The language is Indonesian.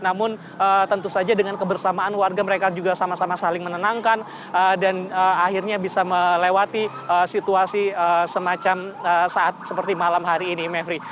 namun tentu saja dengan kebersamaan warga mereka juga sama sama saling menenangkan dan akhirnya bisa melewati situasi semacam saat seperti malam hari ini mevri